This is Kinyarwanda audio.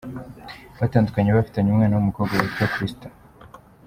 Batandukanye bafitanye umwana w’umukobwa witwa Crystal.